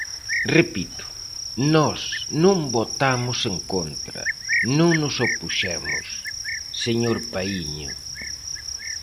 Repito: nós non votamos en contra, non nos opuxemos, señor Paíño.